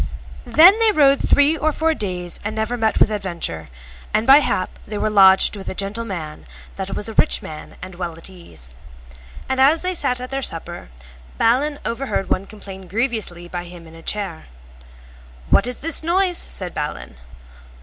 Then they rode three or four days and never met with adventure, and by hap they were lodged with a gentle man that was a rich man and well at ease. And as they sat at their supper Balin overheard one complain grievously by him in a chair. What is this noise? said Balin.